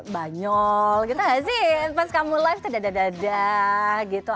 banyol gitu gak sih pas kamu live tadadadada gitu